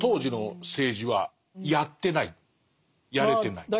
やれてない？